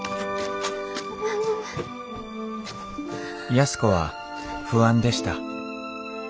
安子は不安でした。